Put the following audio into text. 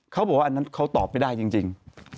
เขาบอกว่าอันนั้นเขาตอบไม่ได้จริง